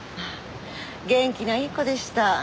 元気ないい子でした。